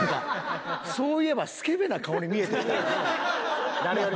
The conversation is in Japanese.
そういえばスケベな顔に見えてきたな。